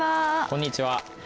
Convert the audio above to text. こんにちは。